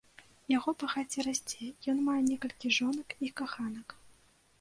Яго багацце расце, ён мае некалькі жонак і каханак.